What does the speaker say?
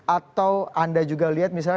atau anda juga lihat misalnya